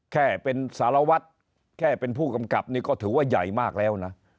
แค่เป็นสารวัตรแค่เป็นผู้กำกับนี่ก็ถือว่าใหญ่มากแล้วนะ